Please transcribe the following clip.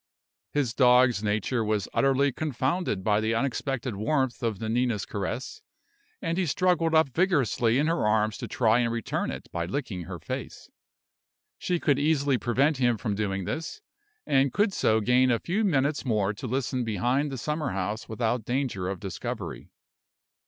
His dog's nature was utterly confounded by the unexpected warmth of Nanina's caress, and he struggled up vigorously in her arms to try and return it by licking her face. She could easily prevent him from doing this, and could so gain a few minutes more to listen behind the summer house without danger of discovery.